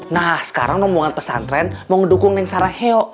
nah sekarang ngomongan pesantren mau mendukung neng saraheyo